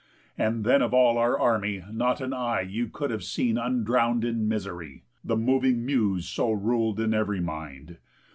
And then of all our army not an eye You could have seen undrown'd in misery, The moving Muse so rul'd in ev'ry mind.